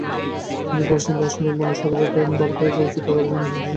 তিনি পার্সিয়ান দার্শনিক মোল্লা সদরাকে ভারতে পরিচিত করার জন্যও সুপরিচিত।